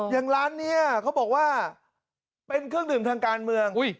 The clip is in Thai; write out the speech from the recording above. อย่างร้านนี้เขาบอกว่าเป็นเครื่องดื่มทางการเมือง